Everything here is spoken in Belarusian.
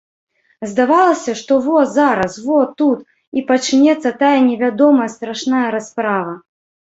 Здавалася, што во зараз, во тут і пачнецца тая невядомая страшная расправа.